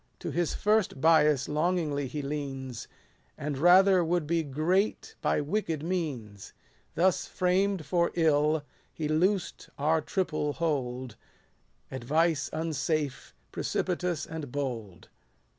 To his first bias longingly he leans ; And rather would be great by wicked means. Thus framed for ill, he loosed our triple hold ; 2 Advice unsafe, precipitous, and bold.